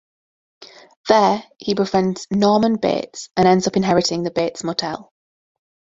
There he befriends Norman Bates and ends up inheriting the Bates Motel.